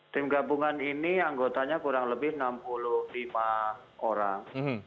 tim gabungan ini anggotanya kurang lebih enam puluh lima orang